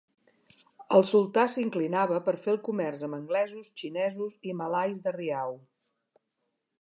El sultà s'inclinava per fer el comerç amb anglesos, xinesos i malais de Riau.